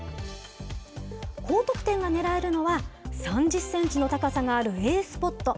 高得点が狙えるのは、３０センチの高さがあるＡスポット。